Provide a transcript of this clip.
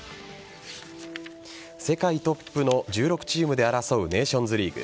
世界トップの１６チームで争うネーションズリーグ。